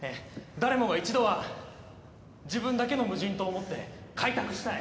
誰もが一度は自分だけの無人島を持って開拓したい